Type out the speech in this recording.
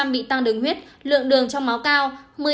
một mươi chín bị tăng đường huyết lượng đường trong máu cao